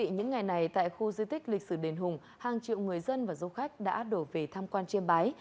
những ngày này tại khu di tích lịch sử đền hùng hàng triệu người dân và du khách đã đổ về tham quan chiêm bái